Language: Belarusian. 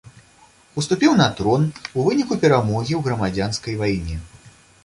Уступіў на трон у выніку перамогі ў грамадзянскай вайне.